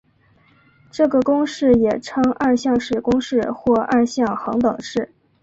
这个公式也称二项式公式或二项恒等式。